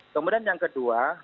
kemudian yang kedua